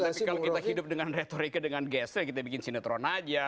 tapi kalau kita hidup dengan retorika dengan gese kita bikin sinetron aja